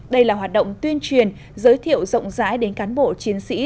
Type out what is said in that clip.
đây là hoạt động tuyên truyền giới thiệu rộng rãi đến cán bộ chiến sĩ